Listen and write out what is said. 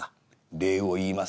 礼を言います」。